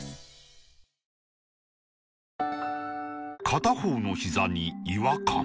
片方のひざに違和感